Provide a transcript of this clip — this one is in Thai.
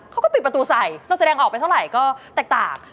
เขาก็ปิดประตูใส่เราแสดงออกไปเท่าไหร่ก็แตกต่าง